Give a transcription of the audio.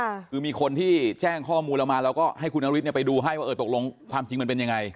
คือมีคนที่แจ้งข้อมูลมาแล้วก็ให้คุณอฤทธิ์ไปดูให้ว่าตกลงความจริงมันเป็นยังไง